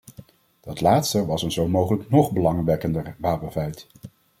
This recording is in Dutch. Dat laatste was een zo mogelijk nog belangwekkender wapenfeit.